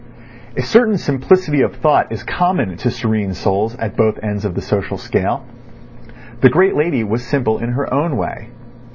A certain simplicity of thought is common to serene souls at both ends of the social scale. The great lady was simple in her own way.